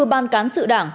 ban cán sự đảng